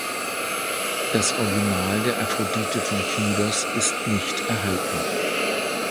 Das Original der Aphrodite von Knidos ist nicht erhalten.